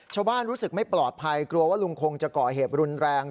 รู้สึกไม่ปลอดภัยกลัวว่าลุงคงจะก่อเหตุรุนแรง